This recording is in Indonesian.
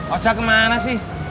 oca kemana sih